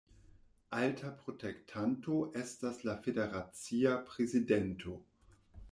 Alta protektanto estas la federacia prezidento.